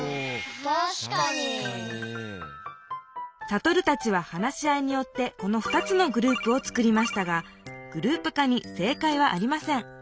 サトルたちは話し合いによってこの２つのグループを作りましたがグループ化に正かいはありません。